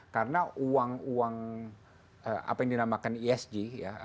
karena uang uang apa yang dinamakan esg ya